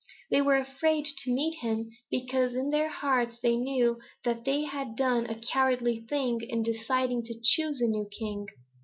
They were afraid to meet him, because in their hearts they knew that they had done a cowardly thing in deciding to choose a new king.